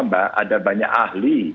mbak ada banyak ahli